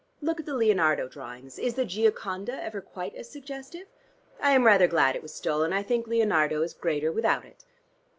Look at the Leonardo drawings. Is the 'Gioconda' ever quite as suggestive? I am rather glad it was stolen. I think Leonardo is greater without it."